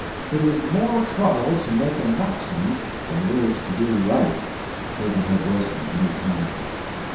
It is more trouble to make a maxim than it is to do right. Pudd'nhead Wilson's New Calendar.